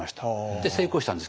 で成功したんです。